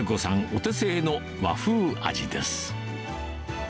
お手製の和風味です。